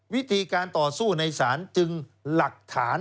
วิธีการต่อสู้ในศาลจึงหลักฐาน